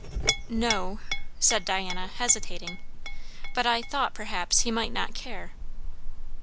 _" "No " said Diana, hesitating; "but I thought, perhaps, he might not care."